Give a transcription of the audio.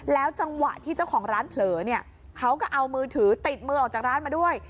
จังหวะที่เจ้าของร้านเผลอเนี่ยเขาก็เอามือถือติดมือออกจากร้านมาด้วย